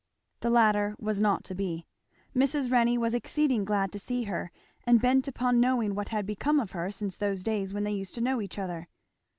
The latter was not to be. Mrs. Renney was exceeding glad to see her and bent upon knowing what had become of her since those days when they used to know each other.